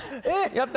やった！